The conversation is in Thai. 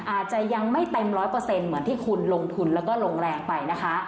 อาจจะยังไม่เต็มร้อยเปอร์เซ็นต์เหมือนที่คุณลงทุนแล้วก็ลงแรงไปนะคะ